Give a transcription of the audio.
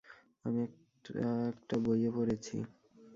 আমি এটা একটা বইয়ে পড়েছি।